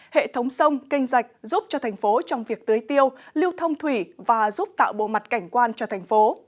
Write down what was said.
hệ thống sông kênh rạch giúp cho thành phố trong việc tưới tiêu lưu thông thủy và giúp tạo bộ mặt cảnh quan cho thành phố